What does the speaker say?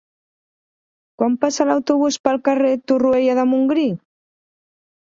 Quan passa l'autobús pel carrer Torroella de Montgrí?